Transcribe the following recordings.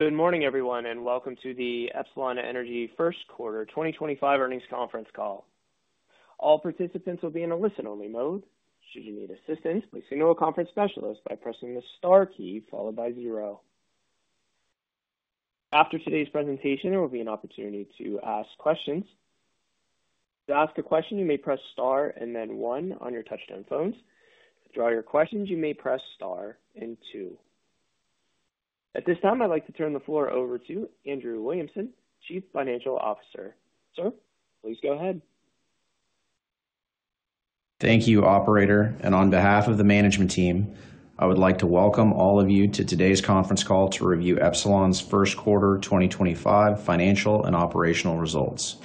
Good morning, everyone, and welcome to the Epsilon Energy First Quarter 2025 Earnings Conference call. All participants will be in a listen-only mode. Should you need assistance, please signal a conference specialist by pressing the star key followed by zero. After today's presentation, there will be an opportunity to ask questions. To ask a question, you may press star and then one on your touch-tone phones. To withdraw your questions, you may press star and two. At this time, I'd like to turn the floor over to Andrew Williamson, Chief Financial Officer. Sir, please go ahead. Thank you, Operator. On behalf of the management team, I would like to welcome all of you to today's conference call to review Epsilon Energy's First Quarter 2025 financial and operational results.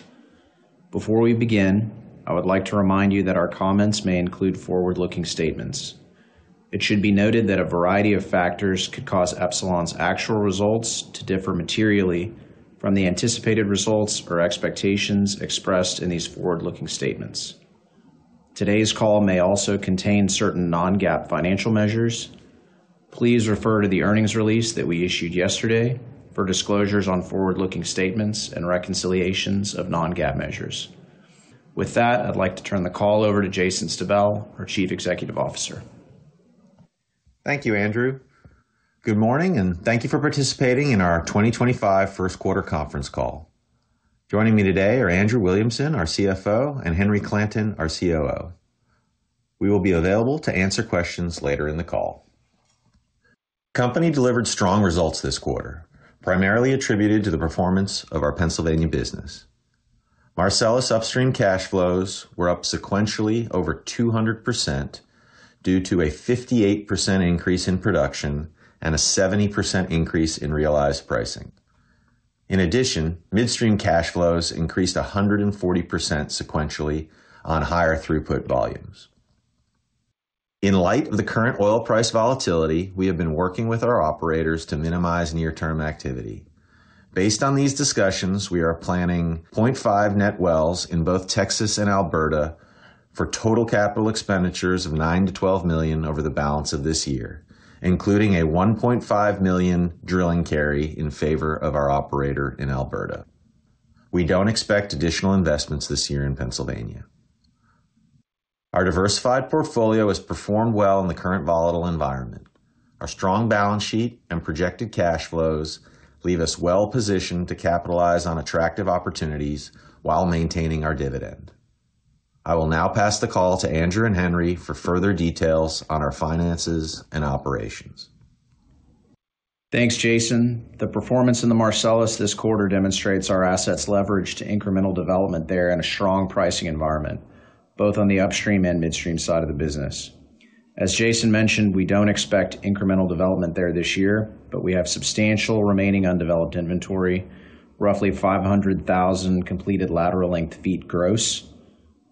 Before we begin, I would like to remind you that our comments may include forward-looking statements. It should be noted that a variety of factors could cause Epsilon Energy's actual results to differ materially from the anticipated results or expectations expressed in these forward-looking statements. Today's call may also contain certain non-GAAP financial measures. Please refer to the earnings release that we issued yesterday for disclosures on forward-looking statements and reconciliations of non-GAAP measures. With that, I'd like to turn the call over to Jason Stabell, our Chief Executive Officer. Thank you, Andrew. Good morning, and thank you for participating in our 2025 First Quarter Conference call. Joining me today are Andrew Williamson, our CFO, and Henry Clanton, our COO. We will be available to answer questions later in the call. The company delivered strong results this quarter, primarily attributed to the performance of our Pennsylvania business. Marcellus Upstream cash flows were up sequentially over 200% due to a 58% increase in production and a 70% increase in realized pricing. In addition, midstream cash flows increased 140% sequentially on higher throughput volumes. In light of the current oil price volatility, we have been working with our operators to minimize near-term activity. Based on these discussions, we are planning 0.5 net wells in both Texas and Alberta for total capital expenditures of $9-$12 million over the balance of this year, including a $1.5 million drilling carry in favor of our operator in Alberta. We don't expect additional investments this year in Pennsylvania. Our diversified portfolio has performed well in the current volatile environment. Our strong balance sheet and projected cash flows leave us well positioned to capitalize on attractive opportunities while maintaining our dividend. I will now pass the call to Andrew and Henry for further details on our finances and operations. Thanks, Jason. The performance in the Marcellus this quarter demonstrates our assets leveraged to incremental development there in a strong pricing environment, both on the upstream and midstream side of the business. As Jason mentioned, we do not expect incremental development there this year, but we have substantial remaining undeveloped inventory, roughly 500,000 completed lateral length feet gross,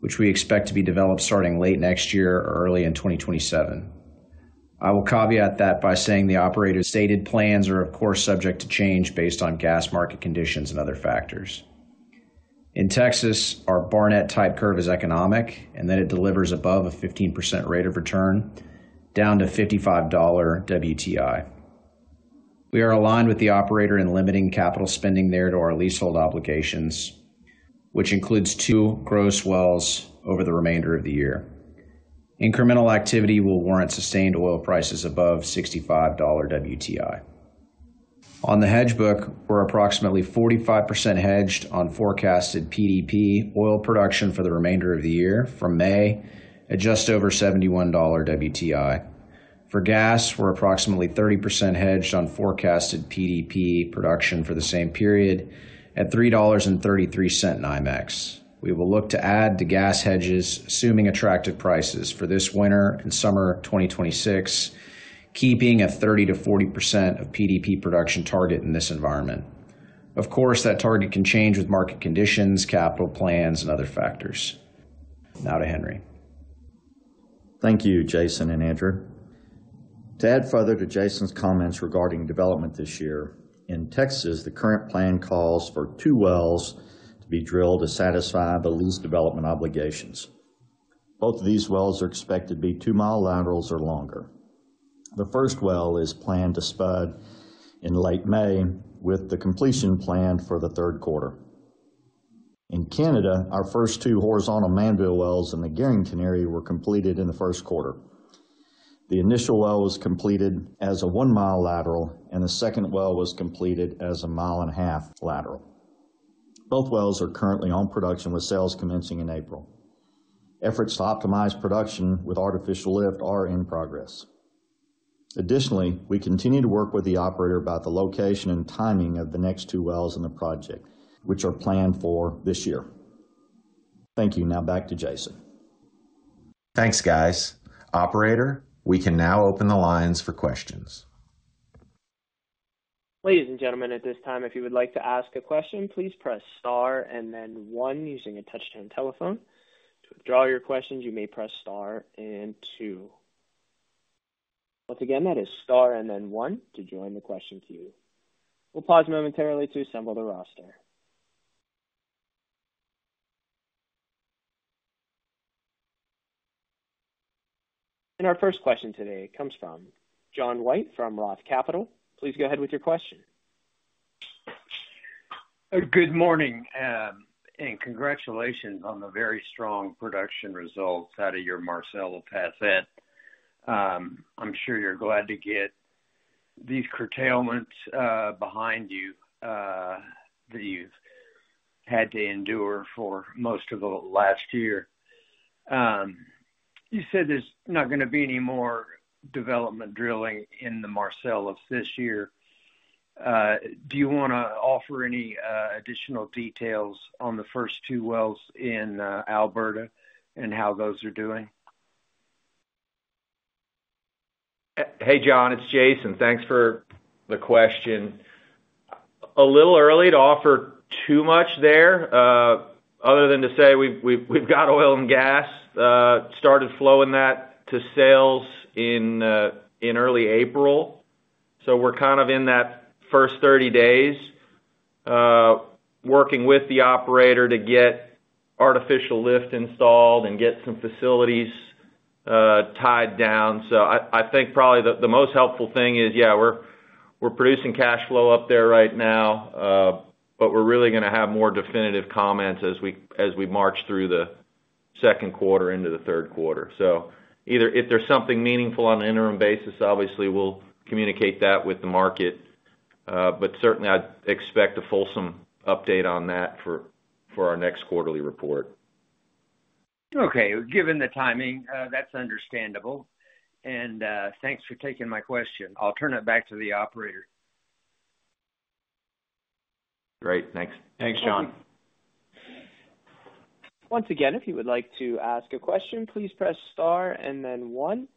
which we expect to be developed starting late next year or early in 2027. I will caveat that by saying the operator's stated plans are, of course, subject to change based on gas market conditions and other factors. In Texas, our Barnett type curve is economic, and it delivers above a 15% rate of return, down to $55 WTI. We are aligned with the operator in limiting capital spending there to our leasehold obligations, which includes two gross wells over the remainder of the year. Incremental activity will warrant sustained oil prices above $65 WTI. On the hedge book, we're approximately 45% hedged on forecasted PDP oil production for the remainder of the year from May, at just over $71 WTI. For gas, we're approximately 30% hedged on forecasted PDP production for the same period at $3.33 NYMEX. We will look to add to gas hedges, assuming attractive prices for this winter and summer 2026, keeping a 30%-40% of PDP production target in this environment. Of course, that target can change with market conditions, capital plans, and other factors. Now to Henry. Thank you, Jason and Andrew. To add further to Jason's comments regarding development this year, in Texas, the current plan calls for two wells to be drilled to satisfy the lease development obligations. Both of these wells are expected to be two-mile laterals or longer. The first well is planned to spud in late May, with the completion planned for the third quarter. In Canada, our first two horizontal Montney wells in the Gerrington area were completed in the first quarter. The initial well was completed as a one-mile lateral, and the second well was completed as a mile and a half lateral. Both wells are currently on production, with sales commencing in April. Efforts to optimize production with artificial lift are in progress. Additionally, we continue to work with the operator about the location and timing of the next two wells in the project, which are planned for this year. Thank you. Now back to Jason. Thanks, guys. Operator, we can now open the lines for questions. Ladies and gentlemen, at this time, if you would like to ask a question, please press star and then one using a touch-tone telephone. To withdraw your questions, you may press star and two. Once again, that is star and then one to join the question queue. We'll pause momentarily to assemble the roster. Our first question today comes from John White from Roth Capital. Please go ahead with your question. Good morning and congratulations on the very strong production results out of your Marcellus asset. I'm sure you're glad to get these curtailments behind you that you've had to endure for most of the last year. You said there's not going to be any more development drilling in the Marcellus this year. Do you want to offer any additional details on the first two wells in Alberta and how those are doing? Hey, John, it's Jason. Thanks for the question. A little early to offer too much there, other than to say we've got oil and gas. Started flowing that to sales in early April. We're kind of in that first 30 days working with the operator to get artificial lift installed and get some facilities tied down. I think probably the most helpful thing is, yeah, we're producing cash flow up there right now, but we're really going to have more definitive comments as we march through the second quarter into the third quarter. If there's something meaningful on an interim basis, obviously we'll communicate that with the market. Certainly, I expect a fulsome update on that for our next quarterly report. Okay. Given the timing, that's understandable. Thanks for taking my question. I'll turn it back to the operator. Great. Thanks. Thanks, John. Once again, if you would like to ask a question, please press star and then one.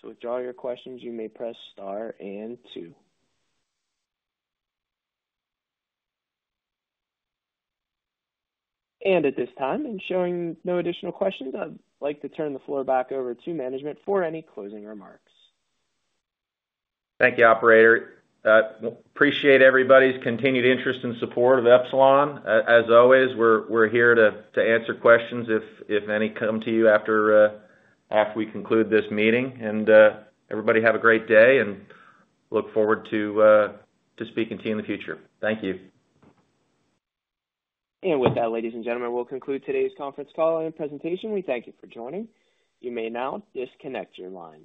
To withdraw your questions, you may press star and two. At this time, showing no additional questions, I'd like to turn the floor back over to management for any closing remarks. Thank you, Operator. Appreciate everybody's continued interest and support of Epsilon. As always, we're here to answer questions if any come to you after we conclude this meeting. Everybody have a great day and look forward to speaking to you in the future. Thank you. With that, ladies and gentlemen, we will conclude today's conference call and presentation. We thank you for joining. You may now disconnect your lines.